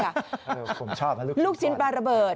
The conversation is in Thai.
ผมชอบนะลูกชิ้นปลาระเบิด